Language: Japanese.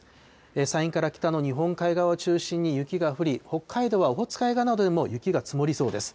山陰から北の日本海側を中心に雪が降り、北海道はオホーツク海側などでも雪が積もりそうです。